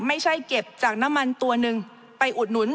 ไม่ใช่เก็บจากน้ำมันตัวหนึ่งไปอุดหนุน